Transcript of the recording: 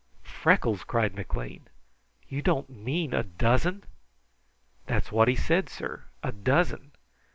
"Freckles!" cried McLean. "You don't mean a dozen!" "That's what he said, sir a dozen.